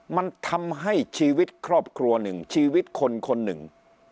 มันทำให้ชีวิตครอบครัวหนึ่งชีวิตคนคนหนึ่ง